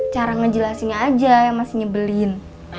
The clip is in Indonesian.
cara ngejelasinnya aja yang masih nyebelin